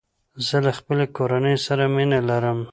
زه له خپلي کورنۍ سره مينه لرم